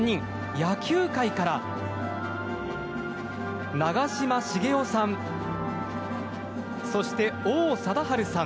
野球界から長嶋茂雄さんそして王貞治さん